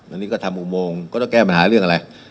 อันนี้ก็ทำอุโมงก็ต้องแก้ปัญหาเรื่องอะไร